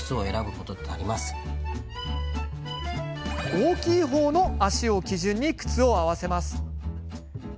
大きい方の足を基準に靴を合わせます。